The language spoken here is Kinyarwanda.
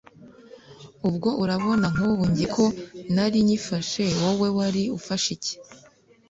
ubwo urabona nk'ubu njye ko nari nyifashe wowe wari ufashe iki